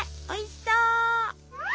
おいしそう。